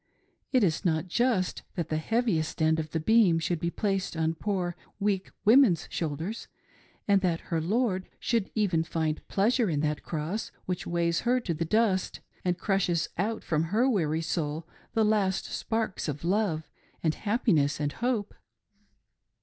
It is not just that the heaviest end of the beam should be placed on poor, weak woman's shoulders, and that her " lord " should even find pleasure in that cross which weighs her to the dust and crushes out from her weary soul the last sparks of love, and happiness, and hope